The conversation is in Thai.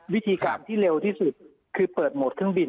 วิธีการที่เร็วที่สุดคือเปิดโหมดเครื่องบิน